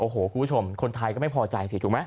โอ้โหคุณผู้ชมคนไทยก็ไม่พอใจสิถูกไหม